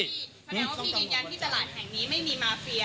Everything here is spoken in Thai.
แสดงว่าพี่ยืนยันที่ตลาดแห่งนี้ไม่มีมาเฟีย